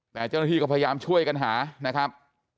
แต่เจ้าหน้าที่ก็พยายามช่วยกันหานะครับ